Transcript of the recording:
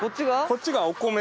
こっちが。